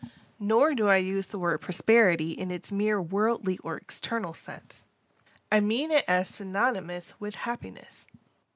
Nor do I use the word Prosperity in its mere wordly or external sense. I mean it as synonymous with happiness.